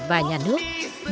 và đồng chí